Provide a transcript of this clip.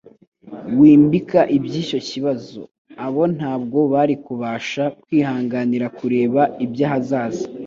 «wimbika iby'icyo kibazo. Abo ntabwo bari kubasha kwihanganira kureba iby'ahazaza,